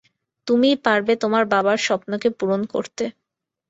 তুমিই পারবে তোমার বাবার স্বপ্নকে পূরণ করতে।